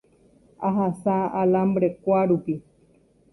Ahasa alambre-kuárupi